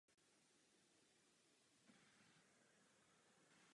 Dále se zde nachází kaple a kříž na kamenném podstavci.